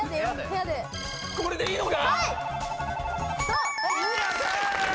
これでいいのか⁉やった！